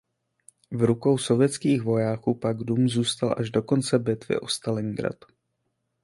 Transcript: V rukou sovětských vojáků pak dům zůstal až do konce bitvy o Stalingrad.